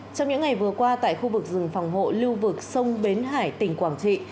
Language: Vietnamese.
trong những ngày vừa qua tại khu vực rừng phòng hộ lưu vực sông bến hải tỉnh quảng trị